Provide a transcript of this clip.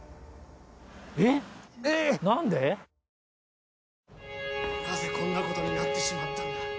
なぜこんなことになってしまったんだ。